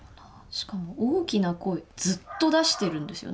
しかも大きな声ずっと出してるんですよね。